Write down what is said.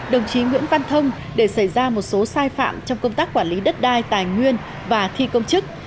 đồng chí nguyễn văn thông để xảy ra một số sai phạm trong công tác quản lý đất đai tài nguyên và thi công chức